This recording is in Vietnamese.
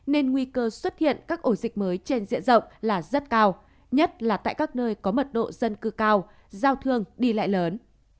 nên nguy cơ xuất hiện các ổ dịch mới trên diện rộng là rất cao nhất là tại các nơi có mật độ dân cư cao giao thương đi lại lớn